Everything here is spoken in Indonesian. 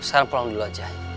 kamu sekarang pulang dulu aja